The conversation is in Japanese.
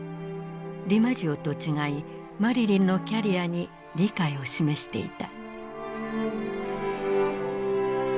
ディマジオと違いマリリンのキャリアに理解を示していた。